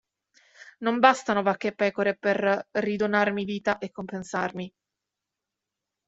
Non bastano vacche e pecore per ridonarmi vita e compensarmi!